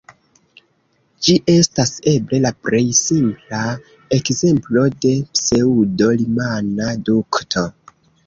Ĝi estas eble la plej simpla ekzemplo de pseŭdo-rimana dukto.